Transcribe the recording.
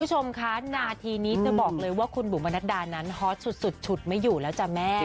คุณผู้ชมคะนาทีนี้จะบอกเลยว่าคุณบุ๋มปนัดดานั้นฮอตสุดฉุดไม่อยู่แล้วจ้ะแม่